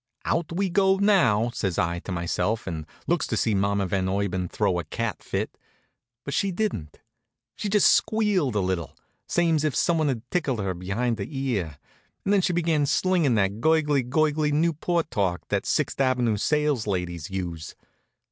"Out we go now," says I to myself, and looks to see Mamma Van Urban throw a cat fit. But she didn't. She just squealed a little, same's if someone had tickled her behind the ear, and then she began slingin' that gurgly gurgly Newport talk that the Sixt' avenue sales ladies use.